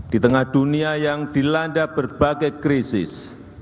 di tengah dunia yang dilanda berbagai krisis